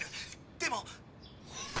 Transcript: でも。